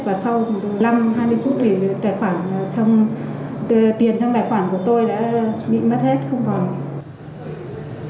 và sau năm hai mươi phút thì tiền trong tài khoản của tôi đã bị mất hết không còn